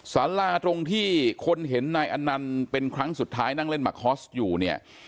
สาราตรงที่คนเห็นนายอนันต์เป็นครั้งสุดท้ายนั่งเล่นมาคอสอยู่เนี่ย